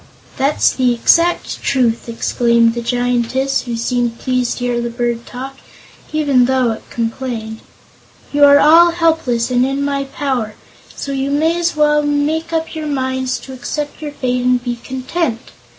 "That's the exact truth!" exclaimed the Giantess, who seemed pleased to hear the bird talk, even though it complained; "you are all helpless and in my power, so you may as well make up your minds to accept your fate and be content.